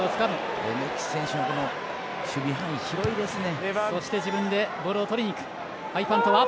レメキ選手守備範囲、広いですね。